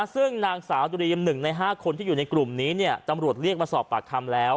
ซึ่งนางสาวดุรีม๑ใน๕คนที่อยู่ในกลุ่มนี้ตำรวจเรียกมาสอบปากคำแล้ว